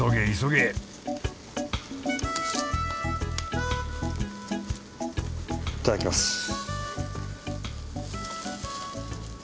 いただきます。